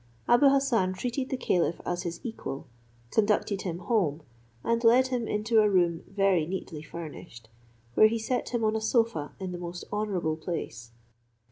Abou Hassan treated the caliph as his equal, conducted him home, and led him into a room very neatly furnished, where he set him on a sofa, in the most honourable place.